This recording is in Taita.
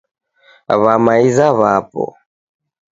W'amaiza w'apo.